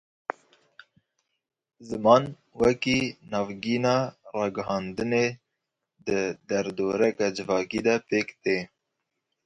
Ziman wekî navgîna ragihandinê di derdoreke civakî de pêk tê.